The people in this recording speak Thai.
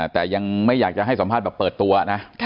แต่ยังไม่อยากจะให้สัมภาษณ์แบบเปิดตัวนะ